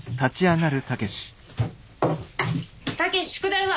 武志宿題は？